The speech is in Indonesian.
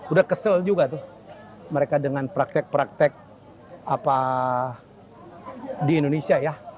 udah kesel juga tuh mereka dengan praktek praktek di indonesia ya